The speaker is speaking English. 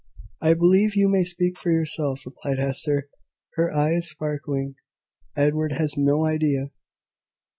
"I believe you may speak for yourself," replied Hester, her eyes sparkling. "Edward has no idea